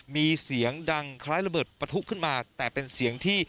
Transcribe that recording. มีเสียงดังคล้ายระเบิดปะทุขึ้นมาแต่เป็นเสียงที่